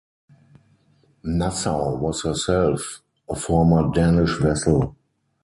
"Nassau" was herself a former Danish vessel.